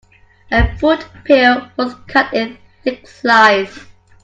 The fruit peel was cut in thick slices.